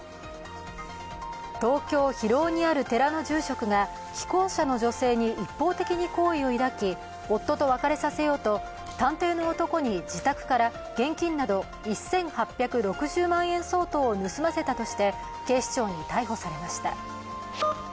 東京・広尾にある寺の住職が既婚者の女性に一方的に好意を抱き夫と別れさせようと探偵の男に自宅から現金など１８６０万円相当を盗ませたとして警視庁に逮捕されました。